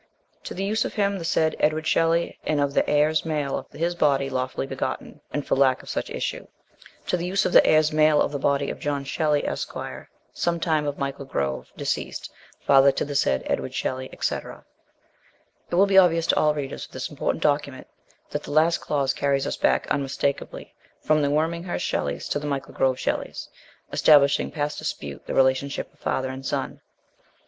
To the use of him the said Edward Shelley and of the heirs male of his hody lawfully begotten, and for lack of such issue To the use of the heirs male of the body of John Shelley, Esqre., sometime of Michael Grove, deceased, father to the said Edward Shelley, etc. It will be obvious to all readers of this important document that the last clause carries us back unmis takably from the Worminghurst Shelleys to the Michel Grove Shelleys, establishing past dispute the relation ship of father and son.